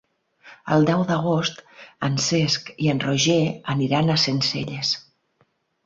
El deu d'agost en Cesc i en Roger aniran a Sencelles.